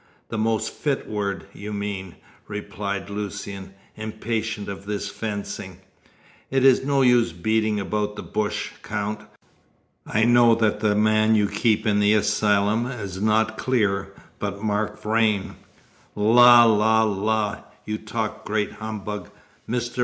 "The most fit word, you mean," replied Lucian, impatient of this fencing. "It is no use beating about the bush, Count. I know that the man you keep in the asylum is not Clear, but Mark Vrain." "La! la! la! You talk great humbug. Mr.